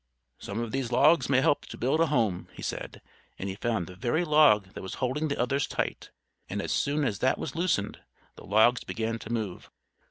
"Some of these logs may help to build a home," he said; and he found the very log that was holding the others tight, and as soon as that was loosened, the logs began to move.